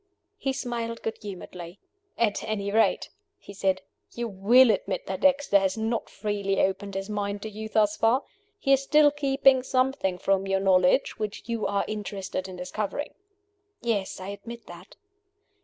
He smiled good humoredly. "At any rate," he said, "you will admit that Dexter has not freely opened his mind to you thus far? He is still keeping something from your knowledge which you are interested in discovering?" "Yes. I admit that."